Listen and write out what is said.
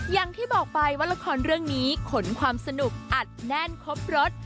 อย่างที่บอกไปว่าละครเรื่องนี้ขนความสนุกอัดแน่นครบรถ